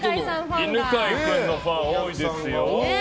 犬飼君のファン多いですよ。